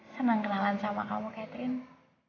senang kenalan sama kamu catherine